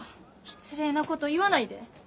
失礼なこと言わないで。